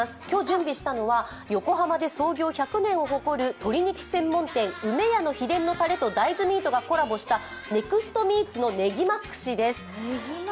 今日準備したのは横浜で創業１００年を誇る鶏肉専門店、梅やの秘伝のタレと大豆ミートがコラボしたネクストミーツのねぎま串です。